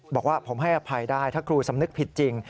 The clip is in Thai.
บอกว่าผมให้อภัยได้ถ้าครูสำนึกผิดจริง